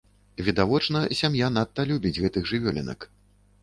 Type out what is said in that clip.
Відавочна, сям'я надта любіць гэтых жывёлінак.